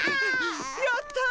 やった！